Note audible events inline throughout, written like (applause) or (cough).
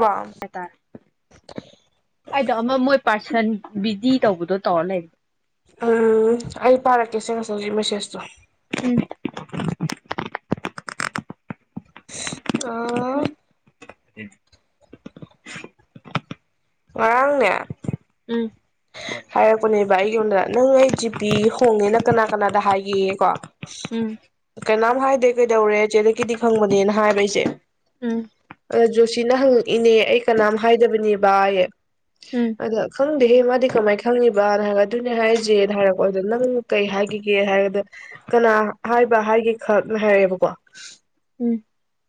ꯕ ꯍꯥꯏꯇꯥꯔꯦ ꯑꯩꯗꯣ ꯑꯃ ꯃꯣꯏ ꯄꯥꯔꯁꯟ ꯕꯤꯖꯤ ꯇꯧꯕꯗꯣ ꯇꯧꯔ ꯂꯩꯔꯦ ꯎꯝ ꯑꯩ ꯄꯥꯔꯛꯀꯦ ꯁꯦ ꯉꯁꯥꯏꯒꯤ ꯃꯦꯁꯦꯁꯖꯇꯣ ꯎꯝ ꯑꯥ (inaudible) ꯉꯔꯥꯡꯅꯦ ꯎꯝ ꯍꯥꯏꯔꯛꯄꯅꯦꯕ ꯑꯩꯉꯣꯟꯗ ꯅꯪ ꯑꯩ ꯖꯤꯄꯤ ꯍꯣꯡꯉꯦꯅ ꯀꯅꯥ ꯀꯅꯥꯗ ꯍꯥꯏꯒꯦꯌꯦ ꯀꯣ ꯎꯝ ꯍꯥꯏꯗꯦ ꯀꯩꯗꯧꯔꯦ ꯆꯦꯂꯛꯀꯤꯗꯤ ꯈꯪꯕꯅꯦꯅ ꯍꯥꯏꯕ ꯑꯩꯁꯦ ꯎꯝ ꯖꯣꯁꯤꯅ ꯍꯪꯉꯛꯏꯅꯦ ꯑꯩ ꯀꯅꯥꯝ ꯍꯥꯏꯗꯕꯅꯦ ꯚꯥꯏꯌꯦ ꯎꯝ ꯑꯗ ꯈꯪꯗꯦꯍꯦ ꯃꯥꯗꯤ ꯀꯃꯥꯏ ꯈꯪꯉꯤꯕꯅ ꯍꯪꯉꯛꯑꯦ ꯑꯗꯨꯅꯦ ꯍꯥꯏꯖꯦ ꯍꯥꯏꯔꯦꯕꯀꯣ ꯅꯪ ꯀꯩ ꯍꯥꯏꯒꯤꯒꯦ ꯍꯥꯏꯔꯒ ꯀꯅꯥ ꯍꯥꯏꯕ ꯍꯥꯏꯒꯦ ꯈꯛꯅ ꯍꯥꯏꯔꯛꯑꯦꯕꯀꯣ ꯎꯝ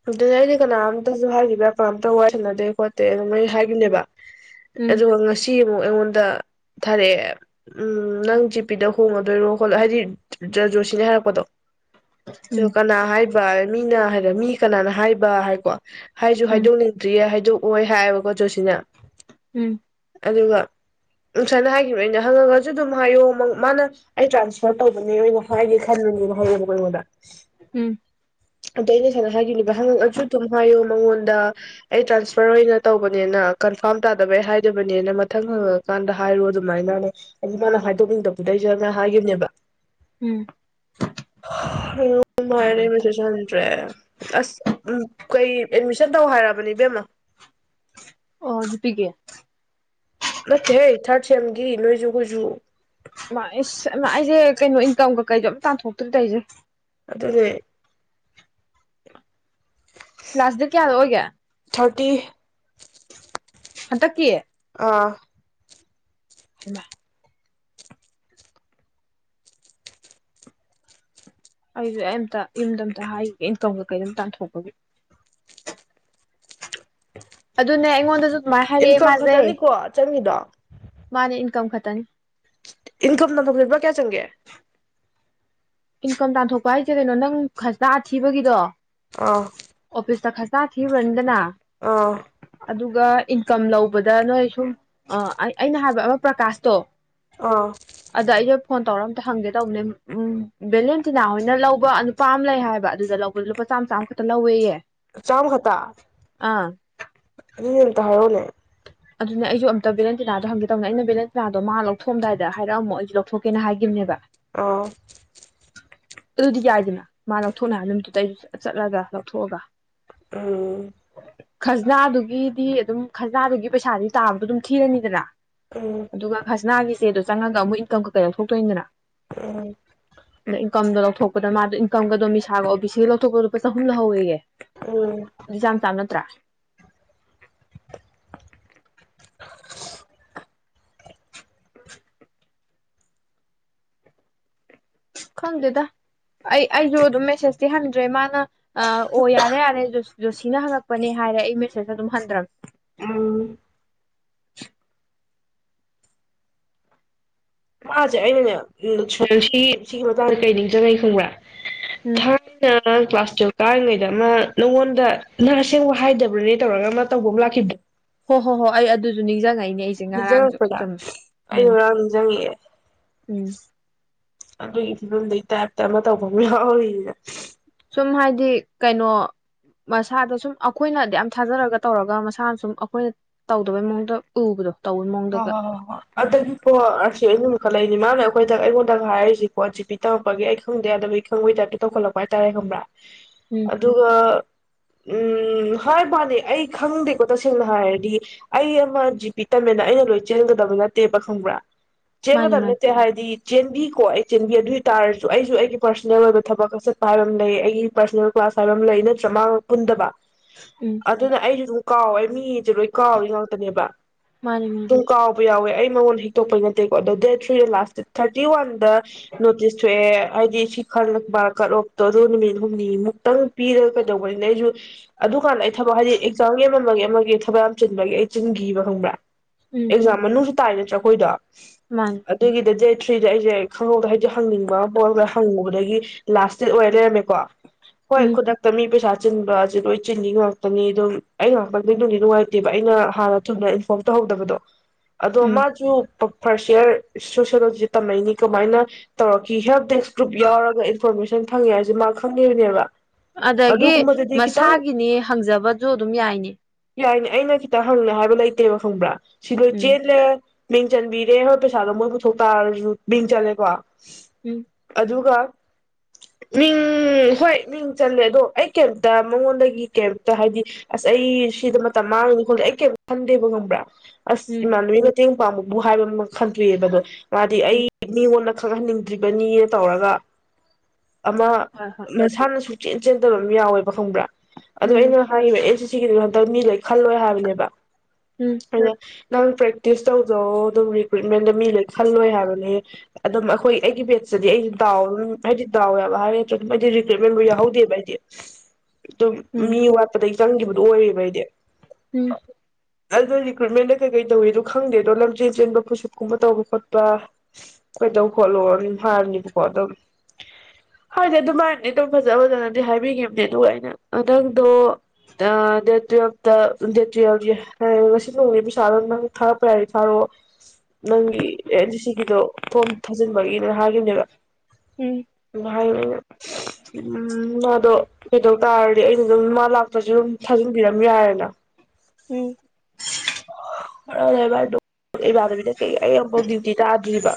ꯑꯗꯨꯗꯩꯗꯤ ꯀꯅꯥꯝꯇꯁꯨ ꯍꯥꯏꯈꯤꯕ꯭ꯔꯥ ꯀꯅꯥꯝꯇ ꯋꯥꯔꯤ ꯁꯥꯟꯅꯗꯦ ꯈꯣꯠꯇꯦ ꯑꯗꯨꯝ ꯑꯩ ꯍꯥꯏꯒꯤꯝꯅꯦꯕ ꯎꯝ ꯑꯗꯨꯒ ꯉꯁꯤ ꯁꯤ ꯌꯦꯡꯉꯣ ꯑꯩꯉꯣꯟꯗ ꯊꯥꯔꯛꯑꯦ ꯎꯝ ꯅꯪ ꯖꯤꯄꯤꯗ ꯍꯣꯡꯉꯗꯣꯏꯔꯣ ꯈꯣꯠꯂꯣ ꯍꯥꯏꯗꯤ ꯖꯣꯁꯤꯅ ꯍꯥꯏꯔꯛꯄꯗꯣ ꯎꯝ ꯀꯥꯟꯅ ꯍꯥꯏꯕ ꯃꯤꯅ ꯍꯥꯏ ꯗ ꯃꯤ ꯀꯅꯥꯅ ꯍꯥꯏꯕ ꯍꯥꯏꯔꯦꯀꯣ ꯍꯥꯏꯖꯨ ꯎꯝ ꯍꯥꯏꯗꯣꯛꯅꯤꯡꯗ꯭ꯔꯤꯌꯦ ꯍꯥꯏꯗꯣꯛ ꯑꯣꯏ ꯍꯥꯏꯌꯦꯕꯀꯣ ꯖꯣꯁꯤꯅ ꯎꯝ ꯑꯗꯨꯒ ꯎꯝ ꯁꯨꯃꯥꯏꯅ ꯍꯥꯏꯒꯤꯕꯅꯦ ꯑꯩꯅ ꯍꯪꯅꯤꯡꯉꯁꯨ ꯑꯗꯨꯝ ꯍꯥꯏꯌꯣ ꯃꯥꯅ ꯑꯩ ꯇ꯭ꯔꯥꯟꯁꯐꯔ ꯇꯧꯕꯅꯦ ꯑꯣꯏꯅ ꯍꯥꯏꯒꯦ ꯈꯟꯕꯅꯦꯅ ꯍꯥꯏꯔꯛꯑꯦꯕꯀꯣ ꯑꯩꯉꯣꯟꯗ ꯎꯝ ꯑꯗꯣ ꯑꯩꯅ ꯁꯥꯏꯅ ꯍꯥꯏꯒꯤꯕꯅꯦꯕ ꯍꯪꯉꯛꯑꯁꯨ ꯑꯗꯨꯝ ꯍꯥꯏꯌꯣ ꯃꯉꯣꯟꯗ ꯑꯩ ꯇ꯭ꯔꯥꯟꯁꯐꯔ ꯑꯣꯏꯅ ꯇꯧꯕꯅꯦꯅ ꯀꯟꯐꯥꯔꯝ ꯇꯥꯗꯕꯩ ꯍꯥꯏꯗꯕꯅꯦꯅ ꯃꯊꯪ ꯍꯪꯉꯛ ꯀꯥꯟꯗ ꯍꯥꯏꯔꯣ ꯑꯗꯨꯃꯥꯏꯅꯅ ꯑꯩꯁꯨ ꯃꯥꯅ ꯍꯥꯏꯗꯣꯛꯅꯤꯡꯗꯕꯗꯨꯗ ꯑꯩꯅ ꯍꯥꯏꯒꯤꯕꯅꯦꯕ ꯎꯝ ꯍꯥ ꯍꯌꯨꯝ ꯍꯥꯏꯔꯦ ꯑꯩ ꯃꯦꯁꯦꯁꯖ ꯍꯟꯗ꯭ꯔꯦ ꯑꯁ ꯎꯝ ꯀꯩ ꯑꯦꯠꯃꯤꯁꯟ ꯇꯧ ꯍꯥꯏꯔꯕꯅꯤ ꯏꯕꯦꯝꯃ ꯑꯣꯖꯤꯄꯤꯒꯤ ꯅꯦꯠꯇꯦꯍꯦ ꯊꯥꯔꯠꯁꯦꯝꯒꯤ ꯅꯣꯏꯁꯨꯑꯈꯣꯏꯁꯨ ꯑꯩꯁꯦ ꯀꯩꯅꯣ ꯏꯟꯀꯝꯒ ꯀꯩꯒ ꯑꯝ ꯇꯥꯟꯊꯣꯛꯇ꯭ꯔꯤ ꯇꯧꯏꯖꯦ ꯑꯗꯨꯅꯦ ꯂꯥꯁꯗꯦꯠ ꯀꯌꯥꯗ ꯑꯣꯏꯒ (unintelligible) ꯍꯟꯇꯛꯀꯤ ꯑꯥ ꯍꯩꯃꯥ ꯑꯩꯖꯨ ꯑꯩꯝꯇ ꯌꯨꯝꯗ ꯑꯃꯇ ꯍꯥꯏꯒꯤꯒꯦ ꯏꯟꯀꯝ ꯀꯩꯀꯩ ꯇꯥꯟꯊꯣꯛꯄꯒꯤ ꯑꯗꯨꯅꯦ ꯑꯩꯉꯣꯟꯗꯖꯨ ꯑꯃꯥꯏ ꯍꯥꯏꯔꯛꯑꯦ ꯏꯟꯀꯝ ꯃꯥꯖꯦ ꯈꯛꯇꯅꯤꯀꯣ ꯆꯪꯉꯤꯗꯣ ꯃꯥꯅꯦ ꯏꯟꯀꯝ ꯈꯛ ꯇꯥꯟ ꯏꯟꯀꯝ ꯇꯥꯟꯊꯣꯛꯄꯖꯦ ꯂꯨꯄꯥ ꯀꯌꯥ ꯆꯪꯒꯦ ꯏꯟꯀꯝ ꯇꯥꯟꯊꯣꯛꯄ ꯍꯥꯏꯖꯦ ꯀꯩꯅꯣ ꯅꯪ ꯈ꯭ꯁꯅꯥ ꯊꯤꯕꯒꯤꯗꯣ ꯑꯥ ꯑꯣꯐꯤꯁ ꯇ ꯈ꯭ꯁ ꯈ꯭ꯁꯅ ꯊꯤꯔꯨꯅꯤꯗꯅꯥ ꯑꯥ ꯑꯗꯨꯒ ꯏꯟꯀꯝ ꯂꯧꯕꯗ ꯅꯣꯏ ꯁꯨꯝ ꯑꯥ ꯑꯩꯅ ꯍꯥꯏꯕ ꯑꯃ ꯄ꯭ꯔꯀꯥꯁꯇꯣ ꯑꯥ ꯑꯗ ꯑꯩꯁꯦ ꯐꯣꯟ ꯇꯧꯔ ꯑꯝꯇ ꯍꯪꯒꯦ ꯇꯧꯕꯅꯦ ꯎꯝ ꯚꯦꯂꯦꯟꯇꯤꯅꯥ ꯍꯣꯏꯅ ꯂꯧꯕ ꯅꯨꯄꯥ ꯑꯃ ꯂꯩ ꯍꯥꯏꯕ ꯑꯗꯨꯗ ꯂꯧꯕꯗ ꯂꯨꯄꯥ ꯆꯥꯝ ꯆꯥꯝꯈꯛꯇ ꯂꯧꯋꯦꯌꯦ ꯆꯥꯝꯃꯥ ꯈꯛꯇ ꯑꯥ ꯑꯗꯨ ꯗꯤꯑꯝꯇ ꯍꯥꯏꯔꯣꯅꯦ ꯑꯗꯨꯅꯦ ꯑꯩꯖꯨ ꯑꯝꯇ ꯕꯦꯂꯦꯟꯇꯤꯅꯥꯗ ꯍꯪꯒꯦ ꯇꯧꯅꯦ ꯑꯩꯅ ꯕꯦꯂꯦꯟꯇꯤꯗꯣ ꯃꯥ ꯂꯧꯊꯣꯛꯑꯝꯗꯥꯏꯗ ꯍꯥꯏꯔꯛꯑꯝꯃꯣ ꯑꯩꯖꯨ ꯂꯧꯊꯣꯛꯀꯦꯅ ꯍꯥꯏꯒꯤꯝꯅꯦꯕ ꯑꯣ ꯑꯗꯨꯗꯤ ꯌꯥꯏꯗꯅ ꯃꯥ ꯂꯧꯊꯣꯛꯅꯤ ꯍꯥꯢꯅ ꯅꯨꯃꯤꯠꯇꯨꯗ ꯑꯩꯖꯨ ꯆꯠꯂꯒ ꯂꯧꯊꯣꯛꯑꯒ ꯎꯝ ꯈ꯭ꯁꯅꯥꯗꯨꯒꯤꯗꯤ ꯑꯗꯨꯝ ꯈ꯭ꯁꯅꯥꯗꯨꯒꯤ ꯄꯩꯁꯥꯗꯤ ꯇꯥꯕꯗꯣ ꯑꯗꯨꯝ ꯊꯤꯔꯅꯤꯗꯅ ꯎꯝ ꯑꯗꯨꯒ ꯈ꯭ꯁꯅꯥꯒꯤ ꯆꯦꯗꯣ ꯆꯪꯉꯒ ꯑꯃꯨꯛ ꯏꯟꯀꯝ ꯀꯩꯀꯥ ꯂꯧꯊꯣꯛꯇꯣꯏꯅꯤꯗꯅ ꯎꯝ ꯏꯟꯀꯝꯗꯣ ꯂꯧꯊꯣꯛꯄꯗ ꯃꯥꯗꯣ ꯏꯟꯀꯝꯒ ꯗꯣꯃꯤꯁꯥꯒ ꯑꯣ ꯕꯤ ꯁꯤꯒ ꯂꯧꯊꯣꯛꯄꯗ ꯂꯨꯄꯥ ꯆꯍꯨꯝ ꯂꯧꯍꯧꯋꯦ ꯌꯦ ꯎꯝ ꯆꯥꯝ ꯆꯥꯝ ꯅꯠꯇ꯭ꯔꯥ ꯈꯪꯗꯦꯗ ꯑꯩ ꯑꯩꯖꯨ ꯑꯗꯨꯝ ꯃꯦꯁꯦꯁꯇꯤ ꯍꯟꯗ꯭ꯔꯦ ꯃꯥꯅ ꯑ ꯑꯣ ꯌꯥꯔꯦ ꯌꯥꯔꯦ ꯖꯣꯁꯤꯅ ꯍꯪꯉꯛꯄꯅꯦ ꯍꯥꯏꯔꯦ ꯑꯩ ꯃꯦꯁꯦꯁ ꯑꯗꯨꯝ ꯍꯟꯗ꯭ꯔꯝ ꯎꯝ ꯃꯥꯁꯦ ꯑꯩꯅꯅꯦ ꯁꯣꯌꯟ ꯁꯤꯒꯤ ꯃꯇꯥꯡꯗ ꯀꯩ ꯅꯤꯡꯖꯅꯦ ꯈꯪꯕ꯭ꯔꯥ ꯎꯝ (unintelligible) ꯀꯥꯔꯤꯉꯩꯗ ꯑꯃ ꯅꯪꯉꯣꯟꯗ ꯅꯪ ꯑꯁꯦꯡꯕ ꯍꯥꯏꯗꯕ꯭ꯔꯅꯦ ꯇꯧꯔꯒ ꯑꯃ ꯇꯧꯕ ꯑꯃ ꯂꯥꯛꯈꯤꯕꯗꯣ ꯍꯣ ꯍꯣ ꯍꯣꯏ ꯑꯩ ꯑꯗꯨꯖꯨ ꯅꯤꯡꯖꯪꯉꯩ ꯅꯤꯡꯖꯪꯉꯛꯄꯗ ꯑꯩꯅ ꯉꯥꯔꯥꯡ ꯅꯤꯡꯖꯪꯉꯛꯑꯦ ꯎꯝ ꯑꯗꯨꯒꯤ ꯐꯤꯕꯝꯗꯩ ꯇꯥꯏꯞꯇ ꯑꯃ ꯇꯧꯕ ꯌꯥꯎꯔꯤꯌꯦ ꯅꯪ ꯁꯨꯝ ꯍꯥꯏꯗꯤ ꯀꯩꯅꯣ ꯃꯁꯥꯗ ꯁꯨꯝ ꯑꯩꯈꯣꯏ ꯑꯗꯥ ꯌꯥꯝ ꯊꯥꯖꯔꯒ ꯇꯧꯔꯒ ꯃꯁꯥꯅ ꯁꯨꯝ ꯑꯩꯈꯣꯏꯅ ꯇꯧꯗꯕꯩ ꯃꯑꯣꯡꯗ ꯎꯕꯗꯣ ꯇꯧꯕꯩ ꯃꯑꯣꯡꯗꯒ ꯍꯣꯪꯍꯣ ꯍꯣꯢ ꯑꯗꯒꯤ ꯀꯣ ꯑꯁꯤ ꯆꯥꯎꯈꯠꯂꯛꯏꯅꯤ ꯃꯥꯅ ꯑꯩꯈꯣꯏꯪ ꯑꯩꯉꯣꯟꯗ ꯍꯥꯏꯔꯤꯁꯤꯀꯣ ꯖꯤ ꯄ ꯇꯝꯃꯛꯄꯒꯤ ꯑꯩ ꯈꯪꯗꯦ ꯑꯗꯨꯕꯨ ꯑꯩ ꯈꯪꯕꯒꯤ ꯇꯥꯏꯞꯇ ꯇꯧꯈꯠꯂꯛꯄ ꯍꯥꯏꯇꯥꯔꯦ ꯈꯪꯕ꯭ꯔꯥ ꯎꯝ ꯑꯗꯨꯒ ꯎꯝ ꯍꯥꯏ ꯕꯥ ꯋꯥꯅꯤ ꯑꯩ ꯈꯪꯗꯦꯀꯣ ꯇꯁꯦꯡꯅ ꯍꯥꯏꯔꯗꯤ ꯑꯩ ꯑꯃ ꯖꯤ ꯄꯤ ꯇꯝꯃꯦ ꯑꯩꯅ ꯂꯣꯏ ꯆꯦꯟꯒꯗꯕ ꯅꯠꯇꯦꯕ ꯈꯪꯕ꯭ꯔꯥ ꯃꯥꯅꯤ ꯆꯦꯟꯒꯗꯕ ꯃꯥꯅꯤ ꯅꯠꯇꯦ ꯍꯥꯏꯗꯤ ꯆꯦꯟꯕꯤꯀꯣ ꯑꯩ ꯆꯦꯟꯕꯤ ꯑꯗꯨ ꯑꯣꯏꯇꯥꯥꯔꯁꯨ ꯑꯩꯁꯨ ꯑꯩꯒꯤ ꯄꯥꯔꯁꯣꯅꯦꯜ ꯑꯣꯏꯕ ꯊꯕꯛ ꯀ ꯆꯠꯄ ꯍꯥꯏꯕ ꯑꯃ ꯂꯩ ꯑꯩꯒꯤ ꯄꯔꯁꯣꯅꯦꯜ ꯀ꯭ꯂꯥꯁ ꯍꯥꯏꯕ ꯑꯃ ꯂꯩ ꯅꯠꯇ꯭ꯔ ꯃꯥꯒ ꯄꯨꯟꯗꯕ ꯎꯝ ꯑꯗꯨꯅ ꯑꯩꯒꯤꯖꯨ ꯀꯥꯎꯋꯦ ꯃꯤꯁꯦ ꯂꯣꯏ ꯀꯥꯎꯔꯤ ꯉꯥꯛꯇꯅꯦꯕ ꯃꯥꯟꯅꯤ ꯃꯥꯟꯅꯤ ꯑꯗꯨꯝ ꯀꯥꯎꯕ ꯌꯥꯎꯋꯦ ꯑꯩ ꯃꯉꯣꯟ ꯍꯤꯛꯇꯣꯛꯄꯩ ꯅꯠꯇꯦꯀꯣ ꯑꯣ ꯗꯦꯠ ꯊ꯭ꯔꯤꯗ ꯂꯥꯁ ꯊꯥꯔꯇꯤ ꯋꯥꯟ ꯗ ꯅꯣꯇꯤꯁ ꯊꯣꯛꯑꯦ ꯍꯥꯏꯗꯤ ꯁꯤ ꯈꯜꯂꯛꯄ ꯀꯠ ꯑꯣꯐꯇꯣ ꯑꯗꯨ ꯅꯨꯃꯤꯠ ꯍꯨꯝꯅꯤꯃꯨꯛꯇꯪ ꯄꯤꯔꯒ ꯀꯩꯗꯧꯕꯅꯤꯅ ꯑꯩꯁꯨ ꯑꯗꯨꯀꯥꯟꯗ ꯑꯩ ꯊꯕꯛ ꯍꯥꯏꯗꯤ ꯑꯦꯛꯖꯥꯝ ꯌꯦꯃꯃꯒ ꯑꯃꯒꯤ ꯊꯕꯛ ꯌꯥꯝ ꯆꯤꯟꯕꯒꯤ ꯑꯩ ꯆꯤꯟꯈꯤꯕ ꯈꯪꯕ꯭ꯔꯥ ꯎꯝ ꯑꯦꯛꯖꯥꯝ ꯃꯅꯨꯡꯁꯨ ꯇꯥꯏꯔꯦ ꯑꯩꯈꯣꯏꯗꯣ ꯃꯥꯅꯤ ꯑꯗꯨꯒꯤꯗ ꯊ꯭ꯔꯤꯗ ꯑꯩꯁꯦ ꯈꯪꯍꯧꯗ ꯍꯥꯏꯗꯤ ꯍꯪꯅꯤꯡꯕ ꯕꯣꯜ ꯈꯔ ꯍꯪꯉꯨꯕꯗꯒꯤ ꯂꯥꯁꯗꯦꯠ ꯑꯣꯏꯔ ꯂꯩꯔꯝꯃꯦ ꯀꯣ ꯍꯣꯏ ꯎꯝ ꯈꯨꯗꯛꯇ ꯃꯤ ꯄꯩꯁꯥ ꯆꯤꯟꯕ ꯑꯁꯤ ꯂꯣꯏ ꯆꯤꯟꯅꯤ ꯉꯥꯛꯇꯅꯤ ꯑꯗꯨꯝ ꯑꯩ ꯉꯥꯛꯇꯗꯗꯨꯅꯨꯡꯗꯤ ꯅꯨꯡꯉꯥꯏꯇꯦꯕ ꯑꯩꯅ ꯍꯥꯟꯅ ꯊꯨꯅ ꯏꯟꯐꯣꯝ ꯇꯧꯍꯧꯗꯕꯗꯣ ꯑꯗꯣ ꯎꯝ ꯃꯥꯁꯨ ꯐꯥꯔꯁ ꯏꯌꯥꯔ ꯁꯣꯁꯤꯌꯣꯂꯣꯖꯤ ꯇꯝꯃꯛꯅꯤ ꯀꯃꯥꯏꯅ ꯇꯧꯔꯛꯈꯤ ꯍꯦꯜꯞ ꯗꯦꯛꯁ ꯒ꯭ꯔꯨꯞ ꯌꯥꯎꯔꯒ ꯏꯟꯐꯣꯔꯃꯦꯁꯟ ꯐꯪꯉꯦ ꯍꯥꯏꯁꯦ ꯃꯥ ꯈꯪꯉꯤꯕꯅꯦꯕ ꯑꯗꯒꯤ ꯑꯗꯨꯒꯨꯝꯕꯗꯨꯗꯤ ꯈꯤꯇꯪ ꯃꯁꯥꯒꯤꯅꯤ ꯍꯪꯖꯕꯁꯨ ꯑꯗꯨꯝ ꯌꯥꯏꯅꯤ ꯌꯥꯏꯅꯦ ꯑꯩꯅ ꯈꯤꯇ ꯍꯪꯉꯦ ꯍꯥꯏꯕ ꯂꯩꯇꯦꯕ ꯈꯥꯪꯕ꯭ꯔꯥ ꯎꯝ ꯁꯤꯂꯣꯏꯆꯦꯟꯂꯦ ꯃꯤꯡ ꯆꯟꯕꯤꯔꯦ ꯍꯣꯏ ꯄꯩꯁꯥꯗꯣ ꯃꯣꯏ ꯄꯨꯊꯣꯛ ꯇꯥꯔꯁꯨ ꯃꯤꯡ ꯆꯜꯂꯦꯀꯣ ꯎꯝ ꯑꯗꯨꯒ ꯃꯤꯡ ꯍꯣꯏ ꯃꯤꯡ ꯆꯜꯂꯦ ꯑꯗꯣ ꯑꯩ ꯀꯩꯝꯇ ꯃꯉꯣꯟꯗꯒꯤ ꯀꯩꯝꯇ ꯍꯥꯏꯗꯤ ꯑꯁ ꯑꯩ ꯁꯤꯗ ꯃꯇꯝ ꯃꯥꯡꯉꯤꯅ ꯈꯣꯂꯦ ꯑꯩ ꯀꯩꯝꯇ ꯈꯟꯗꯦꯕꯃ ꯕ꯭ꯔ ꯑꯁ ꯎꯝ ꯏꯃꯅꯕꯤ ꯃꯇꯦꯡ ꯄꯥꯡꯕꯕꯨ ꯍꯥꯏꯕ ꯑꯃ ꯈꯟꯗꯣꯏꯏꯑꯕ ꯑꯗꯣ ꯃꯗꯤ ꯑꯩ ꯎꯝ ꯃꯤꯉꯣꯟꯗ ꯈꯔꯍꯟꯅꯤꯡꯗ꯭ꯔꯤꯕꯅꯤꯅ ꯇꯧꯔꯒ ꯑꯃ ꯍꯣꯏ ꯍꯣꯏ ꯃꯁꯥꯅꯁꯨ ꯆꯦꯟ ꯆꯦꯟꯗꯕ ꯑꯃ ꯌꯥꯎꯋꯦꯕ ꯗꯣ ꯈꯪꯕ꯭ꯔꯥ ꯑꯗꯣ ꯎꯝ ꯑꯩꯅ ꯍꯥꯏꯔꯤꯕ ꯑꯦꯅꯁꯤ ꯁꯤꯒꯤꯗꯤ ꯍꯟꯇꯛ ꯃꯤ ꯂꯣꯏ ꯈꯜꯂꯣꯏ ꯍꯥꯏꯕꯅꯦꯕ ꯎꯝ ꯑꯩꯅ ꯅꯪ ꯄ꯭ꯔꯦꯛꯇꯤꯁ ꯇꯧꯗꯣ ꯗꯨ ꯔꯤꯄ꯭ꯔꯤ ꯃꯦꯟꯗ ꯃꯤꯂꯣꯢ ꯈꯜꯂꯣꯏ ꯍꯥꯏꯕꯅꯦ ꯑꯗꯨꯝ ꯑꯩꯈꯣꯏ ꯑꯩꯒꯤ ꯕꯦꯠꯇꯗꯤ ꯑꯩꯒꯤ ꯗꯥꯎ ꯑꯗꯨꯝ ꯍꯥꯏꯗꯤ ꯗꯥꯎ ꯌꯥꯕ ꯍꯥꯏꯗ꯭ꯔ ꯑꯗꯨꯝ ꯑꯩꯗꯤ ꯔꯤꯀ꯭ꯔꯨꯠꯃꯦꯟꯕꯨ ꯌꯥꯎꯍꯧꯗꯦꯕ ꯑꯩꯗꯤ ꯑꯗꯨꯝ ꯎꯝ ꯎꯝ ꯃꯤ ꯋꯥꯠꯄꯗꯒꯤ ꯆꯪꯈꯤꯕꯗꯨ ꯑꯣꯏꯌꯦꯕ ꯑꯩꯗꯤ ꯑꯗꯨ ꯔꯤꯀ꯭ꯔꯨꯏꯃꯦꯟꯗ ꯀꯩ ꯀꯩ ꯇꯧꯋꯤꯗꯣ ꯈꯪꯗꯦ ꯑꯗꯣ ꯂꯝꯖꯦꯟ ꯆꯦꯟꯕ ꯄꯨꯁꯞꯀꯨꯝꯕ ꯇꯧꯕ ꯈꯣꯠꯄ ꯀꯩꯗꯧ ꯈꯣꯠꯂꯣ ꯑꯗꯨꯝ ꯍꯥꯏꯔꯅꯤꯕꯀꯣ ꯑꯗꯨꯝ ꯍꯥꯏꯗꯤ ꯑꯗꯨꯃꯥꯏꯅꯗꯤ ꯑꯗꯨꯝ ꯐꯖ ꯐꯖꯅꯗꯤ ꯍꯥꯏꯕꯤꯈꯤꯕꯅꯦ ꯑꯗꯨꯒ ꯑꯩꯅ ꯅꯪꯗꯣ ꯗꯦꯠ ꯇꯨꯋꯜꯞꯇ ꯗꯦꯠ ꯇꯨꯋꯜꯌꯦ ꯑꯥ ꯉꯥꯁꯤ ꯅꯣꯡꯃꯒꯤ ꯄꯩꯁꯥꯗꯣ ꯅꯪ ꯊꯥꯔꯛꯄ ꯌꯥꯏꯔꯗꯤ ꯊꯥꯔꯛꯑꯣ ꯅꯪꯒꯤ ꯑꯦ ꯗꯤ ꯁꯤꯒꯤꯗꯣ ꯐꯣꯔꯝ ꯊꯥꯖꯤꯟꯕꯒꯤꯅꯦ ꯍꯥꯏꯒꯤꯕꯅꯦꯕ ꯎꯝ ꯃꯥꯢ ꯎꯝ ꯃꯗꯣ ꯀꯩꯗꯧ ꯇꯥꯔꯗꯤ ꯑꯩꯅ ꯑꯗꯨꯝ ꯃꯥ ꯂꯥꯛꯇ꯭ꯔꯥꯁꯨ ꯑꯗꯨꯝ ꯊꯥꯖꯤꯟꯕꯤꯔꯝ ꯌꯥꯔꯦꯅ ꯎꯝ ꯍꯣꯔꯥ ꯂꯩꯔꯕ ꯑꯗꯨꯝ ꯢꯃꯥꯟꯅꯕꯤꯅ ꯀꯩ ꯑꯩ ꯑꯃꯝꯕꯨꯛ ꯗ꯭ꯌꯨꯇꯤ ꯇꯥꯗ꯭ꯔꯤꯕ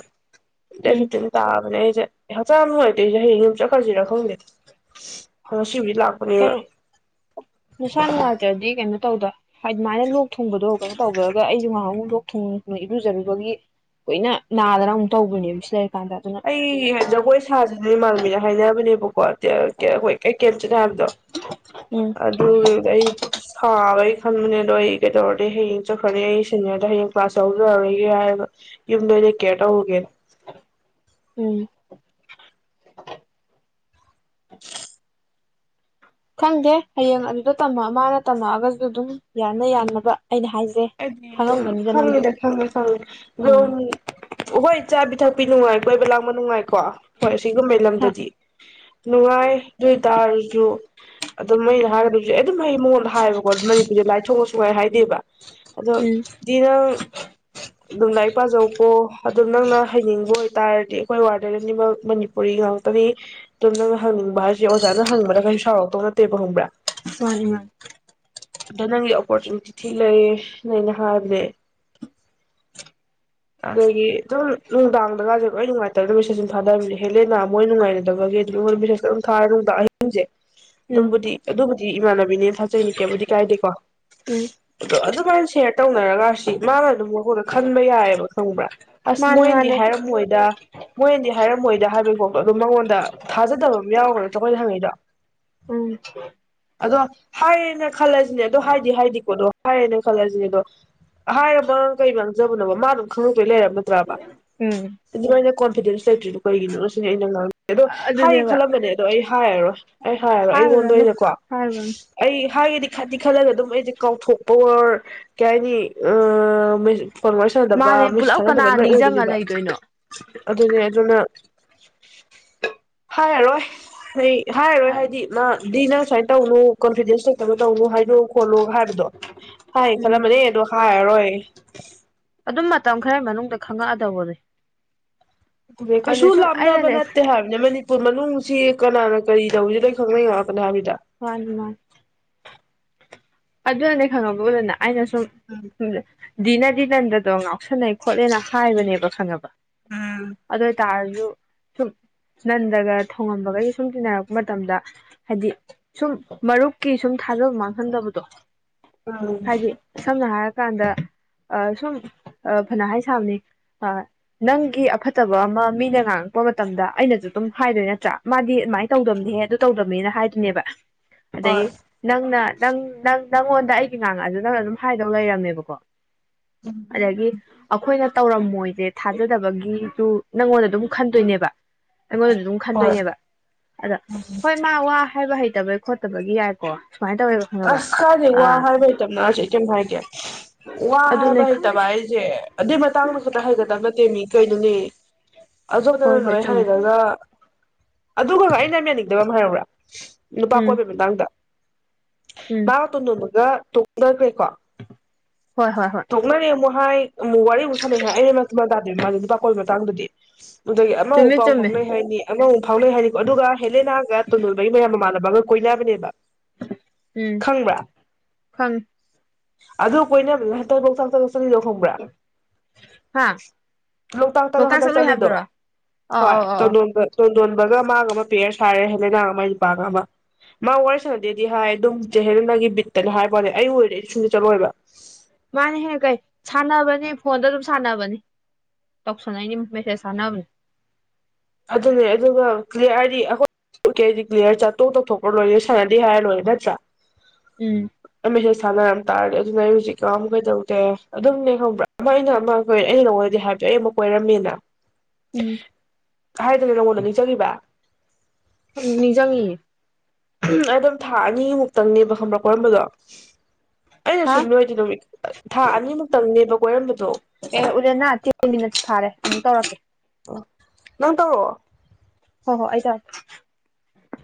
ꯗꯦꯠ ꯎꯝ ꯐꯤꯐꯇꯤꯟꯗ ꯇꯥꯕꯅꯦ ꯑꯩꯖꯦ ꯍꯛꯆꯥꯡ ꯅꯨꯡꯉꯥꯢꯇꯦ ꯑꯩꯖꯦ ꯍꯥꯌꯦꯡ ꯍꯨꯝ ꯆꯠ ꯈ꯭ꯔꯖꯤꯔ ꯈꯪꯗꯦ ꯍꯣꯢ ꯀꯩꯅꯣ ꯅꯁꯥ ꯅꯨꯡꯉꯥꯢꯇ꯭ꯔꯥꯗꯤ ꯀꯩꯅꯣ ꯇꯧꯗ ꯍꯥꯏꯗꯤ ꯑꯗꯨꯃꯥꯏꯅ ꯂꯣꯛ ꯊꯨꯡꯕꯗꯣ ꯀꯩꯅꯣ ꯇꯧꯗ꯭ꯔꯥꯒ ꯑꯩꯁꯨ ꯉꯥꯍꯟꯃꯨꯛ ꯂꯣꯛ ꯊꯨꯡꯉꯦ ꯏꯔꯨꯖꯔꯨꯕꯒꯤ ꯀꯨꯏꯅ ꯅꯥꯗꯅ ꯑꯃꯨꯛ ꯇꯧꯕꯅꯦꯕ ꯁꯦꯛ ꯑꯩ ꯖꯒꯣꯏ ꯁꯥꯁꯤꯅꯦ ꯢꯃꯥꯥꯟꯅꯕꯤꯒ ꯍꯥꯏꯅꯕꯅꯦꯕꯀꯣ ꯇꯌꯥ ꯀꯌꯥ ꯍꯣꯏ ꯀꯩ ꯀꯦꯠꯆꯠ ꯍꯥꯏꯕꯗꯣ ꯎꯝ ꯑꯗꯨꯒꯤ ꯑꯩ ꯁꯥꯕꯩ ꯈꯟꯕꯅꯦ ꯑꯗꯣ ꯑꯩ ꯀꯩꯗꯧꯔꯗꯤ ꯍꯌꯦꯡ ꯆꯠꯈ꯭ꯔꯅꯤ ꯑꯩ ꯁꯦꯅꯤꯌꯔꯗ ꯍꯌꯦꯡ ꯀ꯭ꯂꯥꯁ ꯌꯥꯎꯖꯔꯔꯣꯏꯒꯦ ꯍꯥꯏꯔꯒ ꯌꯨꯝꯗ ꯑꯣꯏꯅ ꯀꯦꯌꯔ ꯇꯧꯔꯨꯒꯦ ꯎꯝ ꯈꯪꯗꯦ ꯍꯌꯦꯡ ꯑꯗꯨꯗ ꯇꯝꯕ ꯑꯃꯥ ꯃꯥꯅ ꯇꯝꯃꯛꯑꯒꯁꯨ ꯑꯗꯨꯝ ꯌꯥꯅ ꯌꯥꯅꯕ ꯑꯩꯅ ꯍꯥꯏꯁꯦ ꯑꯩꯗꯤꯗꯨꯝ ꯈꯪꯉꯝꯒꯅꯤꯗ ꯅꯪꯁꯨ ꯈꯪꯗꯦ ꯈꯪꯉꯦ ꯈꯪꯉꯦ ꯎꯝ ꯔꯨꯝ ꯍꯣꯏ ꯆꯥꯕꯤ ꯊꯛꯄꯤ ꯅꯨꯡꯉꯥꯏ ꯀꯣꯏꯕ ꯂꯥꯡꯕ ꯅꯨꯡꯉꯥꯏꯀꯣ ꯍꯣꯏ ꯁꯤꯒꯨꯝꯕꯩ ꯃꯦꯝꯗꯗꯤ ꯅꯨꯡꯉꯥꯏ ꯑꯗꯨ ꯑꯣꯏꯇꯥꯔꯁꯨ ꯑꯗꯨꯝ ꯑꯩꯅ ꯍꯥꯏꯒꯗꯣꯢꯁꯦ ꯑꯩ ꯑꯗꯨꯝ ꯑꯩ ꯃꯉꯣꯟꯗ ꯍꯥꯏꯌꯦꯕꯀꯣ ꯃꯅꯤꯄꯨꯔꯁꯦ ꯂꯥꯏ ꯊꯣꯡꯑꯣ ꯁꯨꯨꯡꯍꯥꯏ ꯍꯥꯏꯗꯦꯕ ꯑꯗꯣ ꯎꯝ ꯗꯤꯌꯔ ꯑꯗꯨꯝ ꯂꯥꯏꯔꯤꯛ ꯄꯥꯖꯧꯀꯣ ꯑꯗꯨꯝ ꯅꯪꯅ ꯍꯩꯅꯤꯡꯕ ꯑꯣꯏꯇꯥꯔꯗꯤ ꯑꯩꯈꯣꯏ ꯋꯥꯔꯗꯔ ꯑꯅꯤꯃꯛ ꯃꯅꯤꯄꯨꯔꯤ ꯉꯥꯛꯇꯅꯤ ꯑꯗꯨꯝ ꯅꯪꯅ ꯍꯪꯅꯤꯡꯕ ꯍꯥꯏꯁꯦ ꯑꯣꯖꯥꯅ ꯍꯪꯅꯤꯡꯕꯗ ꯀꯩꯁꯨ ꯁꯥꯎꯔꯛꯇꯧ ꯅꯠꯇꯦꯕ ꯈꯪꯕ꯭ꯔꯥ ꯃꯟꯅꯦ ꯃꯥꯟꯅꯦ ꯑꯗ ꯅꯪꯒꯤ ꯑꯣꯄꯣꯔꯆꯨꯅꯤꯇꯤ ꯊꯤ ꯂꯩꯌꯦꯅ ꯑꯩꯅ ꯍꯥꯏꯕꯁꯦ ꯑꯗꯒꯤ ꯑꯗꯨꯝ ꯅꯨꯡꯗꯥꯡꯗꯒꯁꯦ ꯂꯣꯏ ꯅꯨꯡꯉꯥꯏꯇꯕꯅ ꯃꯦꯁꯦꯁ ꯑꯗꯨꯝ ꯊꯥꯅꯕꯤꯅꯦ ꯍꯦꯜꯂꯦꯅꯥ ꯃꯣꯏ ꯅꯨꯡꯉꯥꯏꯅꯗꯕꯒꯤ ꯑꯗꯨꯝ ꯑꯩꯉꯣꯟꯗ ꯃꯦꯁꯦꯖ ꯑꯗꯨꯝ ꯊꯥꯔꯦ ꯅꯨꯡꯗꯥꯡ ꯑꯍꯤꯡꯁꯦ ꯎꯝ ꯑꯗꯨꯝꯕꯨꯗꯤ ꯑꯗꯨꯕꯨꯗꯤ ꯗꯤ ꯏꯃꯥꯟꯅꯕꯤꯅꯦ ꯊꯥꯖꯩꯅꯤ ꯀꯦꯝꯕꯨꯗꯤ ꯀꯥꯏꯗꯦꯀꯣ ꯎꯝ ꯑꯗꯣ ꯑꯗꯨꯃꯥꯏꯅ ꯁꯦꯌꯔ ꯇꯧꯅꯔꯒ ꯁꯤ ꯃꯥꯅ ꯑꯗꯨꯝ ꯃꯈꯈꯣꯏꯗ ꯈꯟꯕ ꯌꯥꯏꯑꯕ ꯈꯪꯕ꯭ꯔꯥ ꯑꯁ ꯃꯥꯅꯦ ꯃꯣꯏꯅꯗꯤ ꯃꯥꯅꯦ ꯍꯥꯏꯔꯝꯃꯣꯏꯗ ꯃꯣꯏꯅꯗꯤ ꯍꯥꯏꯔꯝꯃꯣꯏꯗ ꯍꯥꯏꯕꯩꯀꯣꯕ ꯑꯗꯨꯝ ꯃꯉꯣꯟꯗ ꯊꯥꯖꯗꯕ ꯑꯃ ꯌꯥꯎꯒ꯭ꯔꯥ ꯑꯩꯈꯣꯏꯗ ꯍꯪꯉꯩꯗꯣ ꯎꯝ ꯑꯗꯣ ꯍꯥꯏꯌꯦꯅ ꯈꯜꯂꯁꯤꯅꯦ ꯑꯗꯣ ꯍꯥꯏꯗꯤ ꯍꯥꯏꯗꯤꯀꯣ ꯑꯣ ꯍꯥꯏꯔꯦꯅ ꯈꯜꯂꯁꯤꯅꯦ ꯑꯗꯣ ꯍꯥꯏꯔꯃ ꯀꯩ ꯃꯥꯡꯖꯕꯅꯣ ꯃꯥ ꯑꯗꯨꯝ ꯈꯪꯉꯛꯇꯣꯏ ꯂꯩꯔꯕ ꯅꯠꯇ꯭ꯔꯕ ꯎꯝ ꯑꯗꯨꯃꯥꯏꯅ ꯀꯣꯟꯐꯤꯗꯦꯟꯁ ꯂꯩꯇ꯭ꯔꯤꯗ ꯀꯒꯤꯅꯣ ꯁꯤꯅꯦ ꯑꯩꯅ ꯑꯗꯣ ꯍꯥꯏꯌꯦ ꯑꯗꯨꯅꯦꯕ ꯈꯜꯂꯝꯕꯅꯦ ꯑꯗꯣ ꯑꯩ ꯍꯥꯏꯔꯔꯣꯏ ꯑꯩ ꯍꯥꯏꯔꯣ ꯑꯩꯉꯣꯟꯗ ꯍꯥꯏꯔꯨꯔꯅꯨ ꯑꯣꯏꯅꯀꯣ ꯍꯥꯏꯔꯨꯔꯅꯨ ꯑꯩ ꯍꯥꯏꯗꯤ ꯈꯪꯗꯤ ꯈꯜꯂꯒ ꯑꯗꯨꯝ ꯑꯩꯁꯦ ꯀꯥꯎꯊꯣꯛꯄ ꯑꯣꯔ ꯀꯩ ꯍꯥꯏꯅꯤ ꯑꯥ ꯃꯦ ꯐꯣꯟ ꯋꯥꯔꯤ ꯁꯥꯟꯅꯗꯕ ꯃꯥꯅꯦ ꯃꯤꯁꯨ ꯄꯨꯂꯞ ꯊꯥꯟꯅꯗꯕ ꯀꯅꯥ ꯑꯗꯨ ꯃꯥꯏ ꯅꯤꯡꯁꯤꯡꯉ ꯑꯣꯏꯗꯣꯏꯅꯦꯕ ꯂꯩꯗꯣꯏꯅꯣ ꯑꯗꯨꯅꯦ ꯑꯗꯨꯅ ꯍꯥꯔꯔꯣꯏ ꯑꯩ ꯍꯥꯏꯔꯣꯏ ꯍꯥꯏꯗꯤ ꯎꯝ ꯃꯥ ꯅ ꯁꯨꯃꯥꯏ ꯇꯧꯅꯨ ꯀꯣꯟꯐꯤꯗꯦꯟꯁꯦ ꯇ ꯇꯧꯅꯨ ꯍꯥꯏꯗꯣꯛꯑꯣ ꯈꯣꯠꯂꯣ ꯍꯥꯏꯕꯗꯣ ꯍꯥꯏ ꯈꯜꯂꯝꯃꯅꯦ ꯑꯗꯣ ꯍꯥꯏꯔꯔꯣꯏ ꯑꯗꯨꯝ ꯃꯇꯝ ꯈꯔ ꯃꯅꯨꯡꯗ ꯈꯪꯉꯛꯑꯗꯧꯕꯅꯦ ꯑꯗꯨ ꯀꯩꯁꯨ ꯑꯗꯨꯅꯦ ꯁꯨꯝ ꯂꯥꯞꯅꯕ ꯑꯩꯅꯅꯦ ꯅꯠꯇꯦ ꯍꯥꯏꯕꯅꯦ ꯃꯅꯤꯄꯨꯔ ꯃꯅꯨꯡ ꯁꯤ ꯀꯅꯥꯅ ꯀꯔꯤ ꯇꯧꯔꯤꯁꯤ ꯅꯣꯏ ꯈꯪꯅꯉꯛꯇꯅꯤ ꯍꯥꯏꯕꯅꯤꯗ ꯃꯥꯟꯅꯤ ꯃꯥꯟꯅꯤ ꯑꯗꯨ ꯑꯅꯦ ꯈꯪꯉꯅꯕ ꯀꯣꯅ ꯑꯩ ꯅꯁꯨꯨꯝ ꯎꯝ ꯗꯤꯅꯗꯤ ꯅꯟꯗꯗꯣ ꯉꯥꯎꯁꯟꯅꯩ ꯈꯣꯠꯂꯦꯅ ꯍꯥꯏꯕꯅꯦꯕ ꯈꯪꯉꯕ ꯎꯝ ꯑꯗꯨꯏ ꯇꯥꯔꯁꯨ ꯑꯗꯨ ꯁꯨꯝ ꯅꯟꯗꯒ ꯊꯣꯉꯝꯕꯒꯒꯤ ꯁꯨꯝ ꯇꯤꯟꯅꯔꯛꯄ ꯃꯇꯝꯗ ꯍꯥꯏꯗꯤ ꯁꯨꯝ ꯃꯔꯨꯞꯀꯤ ꯁꯨꯝ ꯊꯥꯖꯕ ꯃꯥꯡꯍꯟꯗꯕ ꯗꯣ ꯎꯝ ꯁꯝꯅ ꯍꯥꯏꯔꯀꯥꯟꯗ ꯁꯨꯝ ꯐꯥꯅ ꯍꯥꯏ ꯁꯥꯕꯅꯤ ꯅꯪꯒꯤ ꯑꯐꯠꯇꯕ ꯑꯃ ꯃꯤꯅ ꯉꯥꯡꯉꯛꯄ ꯃꯇꯝꯗ ꯑꯩꯅꯁꯨ ꯑꯗꯨꯝ ꯍꯥꯏꯗꯣꯏ ꯅꯠꯇ꯭ꯔꯥ ꯃꯥꯗꯤ ꯑꯗꯨꯃꯥꯏꯅ ꯇꯧꯗꯝꯅꯤꯍꯦ ꯑꯗꯨ ꯇꯧꯗꯝꯅꯤꯅ ꯍꯥꯏꯗꯣꯏꯅꯦꯕ ꯑꯗꯩ ꯍꯣꯏ ꯅꯪꯅ ꯅꯪ ꯅꯪ ꯅꯪꯉꯣꯟꯗ ꯑꯩꯒꯤ ꯉꯥꯡꯉꯛꯑ ꯑꯗꯨ ꯅꯪꯅ ꯑꯗꯨꯝ ꯍꯥꯏꯗꯧ ꯂꯩꯔꯝꯃꯦꯕꯀꯣ ꯑꯗꯒꯤ ꯑꯩꯈꯣꯏꯅ ꯇꯧꯔꯝꯃꯣꯏꯁꯦ ꯊꯥꯖꯗꯕꯒꯤꯖꯨ ꯅꯪꯉꯣꯟꯗ ꯑꯗꯨꯝ ꯈꯟꯗꯣꯏꯅꯦꯕ ꯑꯩꯉꯣꯟꯗ ꯑꯗꯨꯝ ꯍꯣꯏ ꯈꯟꯗꯣꯏꯅꯦꯕ ꯑꯗ ꯍꯣꯏ ꯃꯥ ꯋꯥ ꯍꯥꯏꯕ ꯍꯩꯇꯕꯒꯤ ꯈꯣꯠꯇꯕꯒꯤ ꯌꯥꯏꯀꯣ ꯁꯨꯃꯥꯏ ꯇꯧꯋꯦꯕ ꯈꯪꯉꯕ ꯑꯁ ꯀꯥꯏꯗꯩ ꯋꯥ ꯍꯥꯏꯕ ꯍꯩꯇꯕꯅ ꯍꯥꯏꯁꯦ ꯑꯩ ꯀꯩꯝ ꯍꯥꯏꯒꯦ ꯋꯥ ꯑꯗꯨꯅꯦ ꯍꯥꯏꯕ ꯈꯪꯗꯦ ꯍꯩꯇꯕ ꯍꯥꯏꯁꯦ ꯑꯗꯨꯏ ꯃꯇꯥꯡꯗ ꯈꯛꯇ ꯍꯥꯏꯒꯗꯕ ꯅꯠꯇꯦ ꯃꯤ ꯀꯩꯅꯣꯅꯦ ꯍꯣꯏ ꯑꯗꯣꯝꯗꯅ ꯍꯣꯏ ꯂꯣꯏ ꯆꯨꯝꯃꯦ ꯍꯩꯔꯒ ꯑꯗꯨꯒ ꯑꯩꯅ ꯌꯥꯅꯤꯡꯗꯕ ꯑꯃ ꯍꯥꯏꯔꯛꯎꯔ ꯅꯨꯄꯥ ꯎꯝ ꯀꯣꯏꯕꯩ ꯃꯇꯥꯡꯗ ꯎꯝ ꯃꯥꯒ ꯇꯣꯟꯗꯣꯟꯕ ꯒ ꯇꯣꯛꯅꯒ꯭ꯔꯦ ꯀꯣ ꯍꯣꯏ ꯍꯣꯏ ꯍꯣꯏ ꯇꯣꯛꯅꯔꯦ ꯃꯣꯢ ꯍꯥꯏ ꯑꯃꯨꯛ ꯋꯥꯔꯤ ꯑꯃꯨꯛ ꯁꯥꯟꯅꯩ ꯍꯥꯏ ꯑꯩ ꯃꯦꯟ ꯇꯥꯗꯦ ꯃꯥ ꯅꯨꯄꯥ ꯀꯣꯏꯕꯩ ꯃꯇꯥꯡꯗꯗꯤ ꯑꯗꯨꯒꯤ ꯑꯃ ꯃꯨꯛ ꯆꯨꯝꯃꯦ ꯄꯥꯎ ꯆꯨꯝꯃꯦ ꯐꯥꯎꯅꯩ ꯍꯥꯏꯅꯤ ꯑꯃꯃꯨꯛ ꯐꯥꯎꯅꯩ ꯍꯥꯏꯅꯤꯀꯣ ꯑꯗꯨꯒ ꯍꯦꯂꯦꯅꯥꯒ ꯇꯣꯟꯗꯣꯜꯕꯒꯤ ꯃꯌꯥꯝ ꯃꯃꯥꯅ ꯕꯥ ꯀꯣꯏꯅꯥꯕꯅꯦꯕ ꯎꯝ ꯈꯪꯏ ꯑꯗꯨ ꯀꯣꯏꯅꯕꯗꯨ ꯍꯟꯗꯛ ꯂꯣꯛꯇꯥꯛꯇꯒ ꯆꯠ ꯈꯡꯕ꯭ꯔꯥ ꯍꯥ ꯂꯣꯛꯇꯥꯛꯇꯥꯒ ꯂꯣꯛꯇꯥꯛ ꯍꯟꯇꯛ ꯆꯠꯂꯨꯏ ꯆꯠꯂꯤꯗꯣ ꯍꯥꯏꯕꯗꯨꯔꯣ ꯑꯧ ꯑꯧ ꯑꯧ ꯑꯧ ꯇꯣꯟꯗꯣꯟ ꯇꯣꯟꯗꯣꯟꯕ ꯒ ꯃꯥꯒ ꯑꯃ ꯄꯦꯌꯔ ꯁꯥꯔꯦ ꯂꯩꯅꯥꯒ ꯃꯥꯢ ꯅꯨꯄꯥꯒ ꯑꯃ ꯃꯥ ꯋꯥꯔꯤ ꯁꯥꯟꯅꯗꯦꯗꯤ ꯍꯥꯏ ꯑꯗꯨꯝ ꯍꯦꯟꯕꯒꯤ ꯕꯤꯠꯇꯅꯦ ꯍꯥꯏꯕꯋꯥꯅꯦ ꯑꯩ ꯑꯣꯏꯔꯗꯤ ꯨꯁꯨꯡꯆꯠ ꯆꯠꯂꯣꯏꯕ ꯅꯦ ꯐꯣꯟꯗ ꯑꯗꯨꯝ ꯁꯥꯟꯅꯕꯅꯤ ꯇꯧꯁꯟꯅꯩꯩꯅꯤ ꯃꯦꯁꯦꯖ ꯊꯟꯅꯕꯅꯦ ꯑꯗꯨꯅꯦ ꯑꯗꯨꯒ ꯀ꯭ꯂꯤꯌꯥꯔ ꯍꯥꯏꯗꯤ ꯑꯩꯈꯣꯏ ꯍꯥꯏꯗꯤ ꯀ꯭ꯂꯤꯌꯥꯔ ꯆꯥꯠ ꯇꯣꯛ ꯇꯧꯊꯣꯛꯈ꯭ꯔ ꯂꯣꯏꯔꯦ ꯁꯥꯟꯅꯗꯦ ꯍꯥꯏꯔ ꯂꯣꯏꯔꯦ ꯅꯠꯇ꯭ꯔꯥ ꯎꯝ ꯁꯥꯟꯅꯔꯝ ꯇꯥꯔꯗꯤ ꯑꯗꯨꯅ ꯑꯩ ꯍꯧꯖꯤꯛ ꯉꯥꯎꯒꯦ ꯇꯧꯏ ꯑꯗꯨꯝꯅꯦ ꯈꯪꯕ꯭ꯔꯥ ꯑꯃ ꯑꯩꯅ ꯑꯃ ꯑꯩ ꯅꯉꯣꯟꯗꯗꯤ ꯍꯥꯏꯕꯗꯣ ꯑꯩ ꯑꯃ ꯀꯣꯢꯔꯝꯃꯦꯅ ꯎꯝ ꯍꯥꯏꯗꯅ ꯅꯉꯣꯟꯗ ꯅꯤꯡꯁꯤꯡꯉꯤꯕ ꯅꯤꯡꯖꯪꯉꯤꯌꯦ ꯎ ꯑꯩ ꯑꯗꯨꯝ ꯊꯥ ꯑꯅꯤꯃꯨꯛꯇꯪꯅꯦꯕ ꯈꯪꯕ꯭ꯔꯥ ꯀꯣꯢꯔꯝꯕꯗꯣ ꯑꯩꯅ ꯍꯥ ꯁꯨꯝ ꯂꯣꯏꯗꯤ ꯅꯨꯃꯤꯠ ꯊꯥ ꯑꯅꯤ ꯃꯨꯛꯇꯪꯅꯦꯕ ꯀꯣꯏꯔꯝꯕ ꯑꯦ ꯎꯔꯦꯅꯥ ꯇꯦꯟ ꯃꯤꯅꯠ ꯐꯥꯔꯦ ꯑꯃꯨꯛ ꯇꯧꯔꯛꯀꯦ ꯅꯪ ꯇꯧꯔꯛꯑꯣ ꯍꯣ ꯍꯣ ꯑꯩ (inaudible)